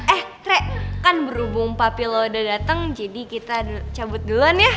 eh re kan berhubung papi lo udah dateng jadi kita cabut duluan ya